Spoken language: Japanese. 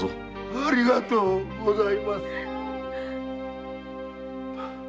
ありがとうございます。